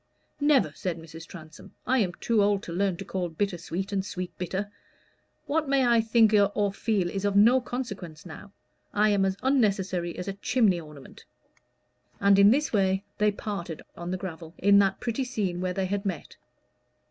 "Never," said Mrs. Transome. "I am too old to learn to call bitter sweet and sweet bitter. But what I may think or feel is of no consequence now. I am as unnecessary as a chimney ornament." And in this way they parted on the gravel, in that pretty scene where they had met.